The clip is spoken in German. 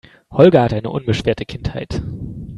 Holger hatte eine unbeschwerte Kindheit.